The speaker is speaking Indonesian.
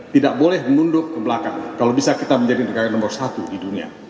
tidak boleh menunduk ke belakang kalau bisa kita menjadi negara nomor satu di dunia